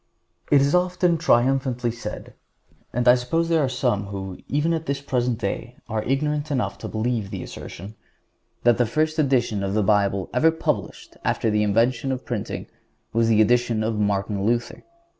It is often triumphantly said, and I suppose there are some who, even at the present day, are ignorant enough to believe the assertion, that the first edition of the Bible ever published after the invention of printing was the edition of Martin Luther.